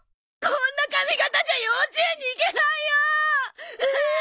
こんな髪形じゃ幼稚園に行けないよー！